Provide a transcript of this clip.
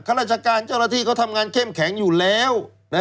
ราชการเจ้าหน้าที่เขาทำงานเข้มแข็งอยู่แล้ว